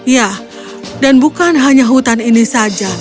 ya dan bukan hanya hutan ini saja